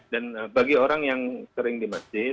dan bagi orang yang sering di masjid